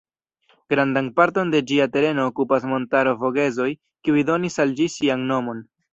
Grandan parton de ĝia tereno okupas montaro Vogezoj, kiuj donis al ĝi sian nomon.